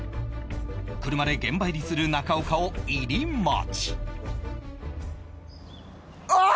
車で現場入りする中岡を入り待ちあっ！